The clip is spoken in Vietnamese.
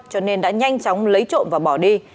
cho nên đã nhanh chóng lấy trộm và bỏ đi